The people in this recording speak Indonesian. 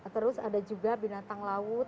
terus ada juga binatang laut